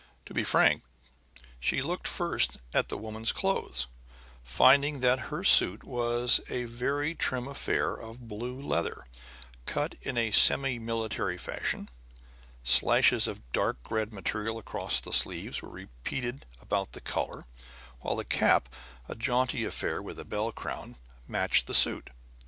To be frank, she looked first at the woman's clothes, finding that her suit was a very trim affair of blue leather, cut in a semi military fashion. Slashes of dark red material across the sleeves were repeated about the collar, while the cap, a jaunty affair with a bell crown, matched the suit.